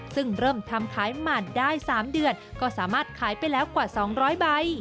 ซึ่งเริ่มทำขายหมัดได้๓เดือนก็สามารถขายไปแล้วกว่า๒๐๐ใบ